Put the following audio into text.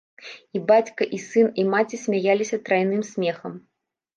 І бацька і сын, і маці смяяліся трайным смехам.